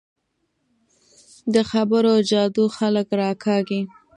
د خبرو جادو خلک راکاږي